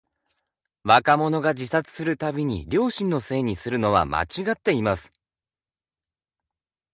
若者が自殺するたびに、両親のせいにするのは間違っています。